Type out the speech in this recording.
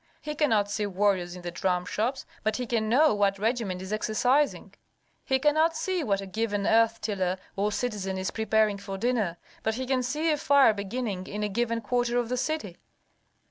He cannot see warriors in the dramshops, but he can know what regiment is exercising. He cannot see what a given earth tiller or citizen is preparing for dinner, but he can see a fire beginning in a given quarter of the city.